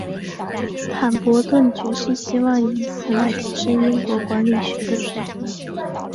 坦伯顿爵士希望以此来提升英国管理学的水平。